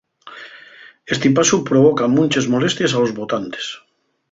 Esti pasu provoca munches molesties a los votantes.